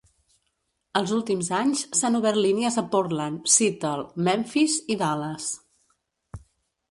Els últims anys s'han obert línies a Portland, Seattle, Memphis i Dallas.